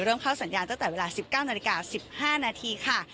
เข้าสัญญาณตั้งแต่เวลา๑๙นาฬิกา๑๕นาทีค่ะ